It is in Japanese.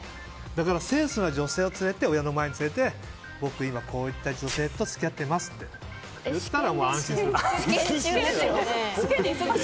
だから、清楚な女性を親の前に連れて僕、今こういった女性と付き合っていますって言ったら安心すると思う。